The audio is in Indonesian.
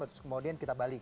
kecoklatan kemudian kita balik